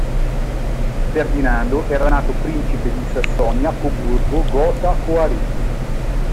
Ferdinando era nato principe di Sassonia-Coburgo-Gotha-Koháry.